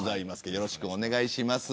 よろしくお願いします。